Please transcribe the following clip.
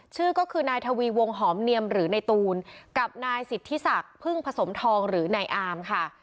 ชื่อก็คือนายทวีวงหอมเนียมหรือในตูนกับนายสิทธิศักดิ์พึ่งผสมทองหรือนายอามค่ะ